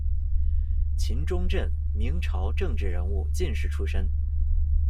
秦锺震，明朝政治人物，进士出身。